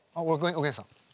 おげんさん。